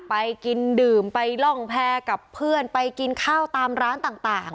ไปกินดื่มไปล่องแพ้กับเพื่อนไปกินข้าวตามร้านต่าง